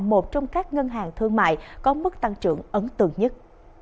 một trong các ngân hàng thương mại có mức tăng trưởng ấn tượng nhất